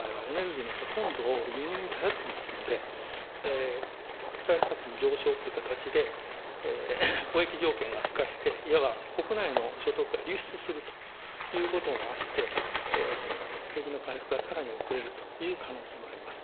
さらには、わが国の場合はエネルギーのほとんどを輸入に頼っていますので、国際価格の上昇という形で交易条件が悪化して、いわば国内の所得が流出するということもあって、景気の回復がさらに遅れるという可能性もあります。